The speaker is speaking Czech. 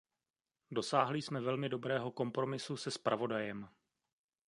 Dosáhli jsme velmi dobrého kompromisu se zpravodajem.